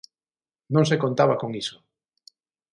Non se contaba con iso.